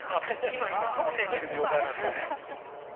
今頂点にいる状態なんですね。